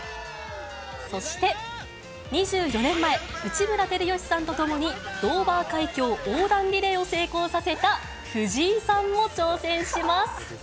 そして、２４年前、内村光良さんと共に、ドーバー海峡横断リレーを成功させた藤井さんも挑戦します。